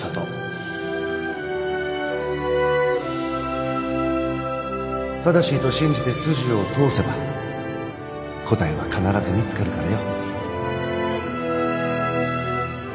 回想正しいと信じて筋を通せば答えは必ず見つかるからよ。